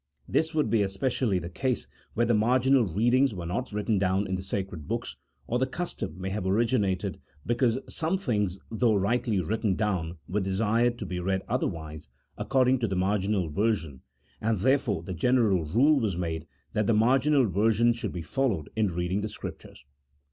This would be especially the case where the marginal readings were not written down in the sacred books: or the custom may have originated be cause some things though rightly written down were desired to be read otherwise according to the marginal version, and therefore the general rule was made that the marginal ver sion should be followed in reading the Scriptures.